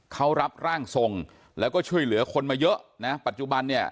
เขารับร่างทรงแล้วก็ช่วยเหลือคนมาเยอะนะปัจจุบันเนี่ย